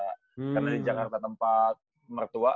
karena di jakarta tempat mertua